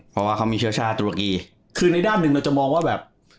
เพราะว่าเขามีเชื้อชาติตุรกีคือในด้านหนึ่งเราจะมองว่าแบบ